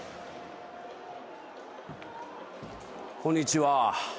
こんにちは。